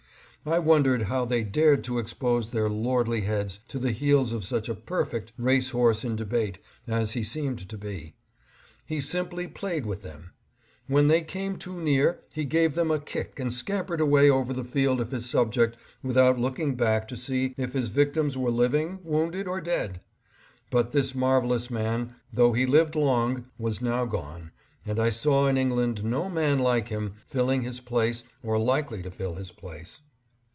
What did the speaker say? I wondered how they dared to expose their lordly heads to the heels of such a perfect race horse in debate as he seemed to be. He simply played with them. When they came too near he gave them a kick and scampered away over the field of his subject without looking back to see if his victims were living, wounded, or dead. But RECOLLECTIONS OF LORD BROUGHAM. 677 this marvelous man, though he lived long, was now gone, and I saw in England no man like him filling his place or likely to fill his place.